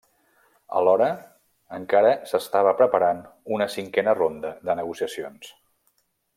Alhora, encara s'estava preparant una cinquena ronda de negociacions.